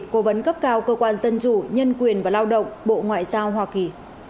cố vấn cấp cao cơ quan dân chủ nhân quyền và lao động bộ ngoại giao hoa kỳ